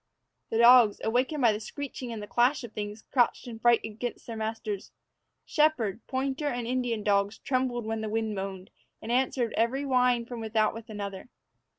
The dogs, awakened by the screeching and clash of things, crouched in fright against their masters. Shepherd, pointer, and Indian dogs trembled when the wind moaned, and answered every whine from without with another.